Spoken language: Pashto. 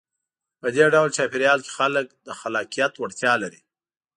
په دې ډول چاپېریال کې خلک د خلاقیت وړتیا لري.